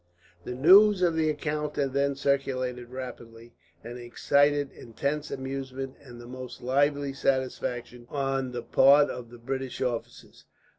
The news of the encounter, then, circulated rapidly, and excited intense amusement, and the most lively satisfaction, on the part of the British officers.